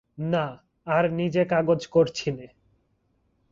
না, আর নিজে কাগজ করছি নে।